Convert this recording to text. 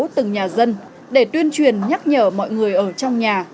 từng nhà dân để tuyên truyền nhắc nhở mọi người ở trong nhà